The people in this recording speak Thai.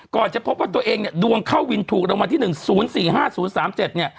ก่อนจะพบตัวเองเนี่ยดวงเข้าวินถูกรางวัลที่๑๐๔๕๐๓๗